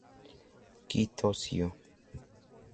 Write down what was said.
Oki Toshio.